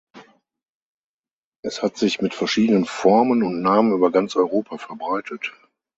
Es hat sich mit verschiedenen Formen und Namen über ganz Europa verbreitet.